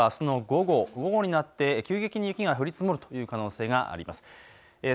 ピークとしてはあすの午後、午後になって急激に雪が降り積もるという可能性があります。